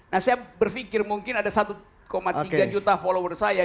nah saya berpikir mungkin ada satu tiga juta follower saya